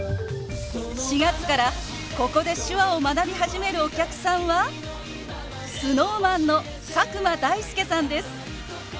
４月からここで手話を学び始めるお客さんはＳｎｏｗＭａｎの佐久間大介さんです。